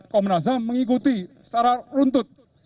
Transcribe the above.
komnas ham mengikuti secara runtut